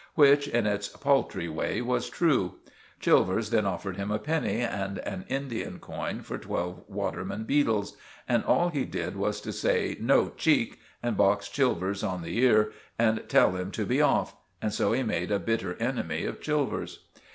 Which, in its paltry way, was true. Chilvers then offered him a penny and an Indian coin for twelve waterman beetles; and all he did was to say "No cheek!" and box Chilvers on the ear and tell him to be off. So he made a bitter enemy of Chilvers.